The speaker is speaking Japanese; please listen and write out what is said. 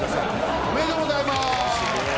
おめでとうございます。